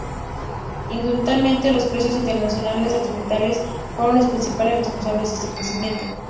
Indudablemente, los precios internacionales de los metales fueron los principales responsables de ese crecimiento.